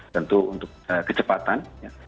tentu untuk kecepatan